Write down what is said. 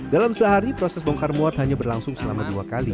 dalam sehari proses bongkar muat hanya berlangsung selama dua kali